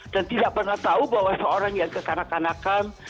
dan tidak pernah tahu bahwa seorang yang kekanak kanakan